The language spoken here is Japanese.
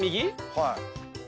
はい。